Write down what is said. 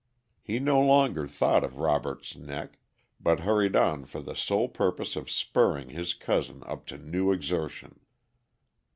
He no longer thought of Robert's neck, but hurried on for the sole purpose of spurring his cousin up to new exertion.